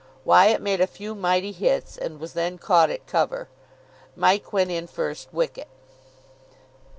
Wyatt made a few mighty hits, and was then caught at cover. Mike went in first wicket.